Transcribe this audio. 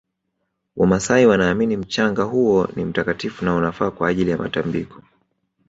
wamasai wanaamini mchanga huo ni mtakatifu na unafaa kwa ajili ya matabiko